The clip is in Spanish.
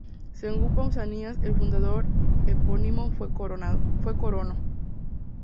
Según Pausanias el fundador epónimo fue Corono.